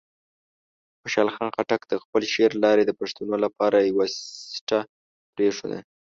خوشحال خان خټک د خپل شعر له لارې د پښتنو لپاره یوه سټه پرېښوده.